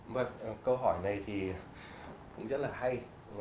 vâng câu hỏi này thì cũng rất là hay